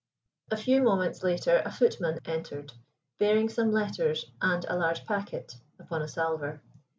A few moments later a footman entered bearing some letters, and a large packet, upon a salver.